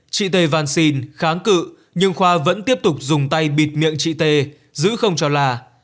chị tê văn xin kháng cự nhưng khoa vẫn tiếp tục dùng tay bịt miệng chị t giữ không cho là